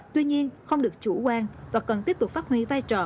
tuy nhiên không được chủ quan và cần tiếp tục phát huy vai trò